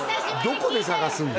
どこで探すんだよ